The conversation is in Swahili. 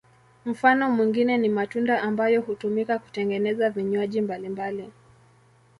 Mfano mwingine ni matunda ambayo hutumika kutengeneza vinywaji mbalimbali.